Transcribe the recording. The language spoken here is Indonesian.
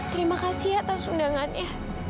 terima kasih atas undangannya